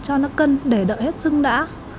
cho nó cân để đợi hết sừng đã